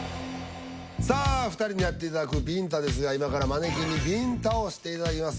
さあ２人にやっていただくびんたですが今からマネキンにびんたをしていただきます。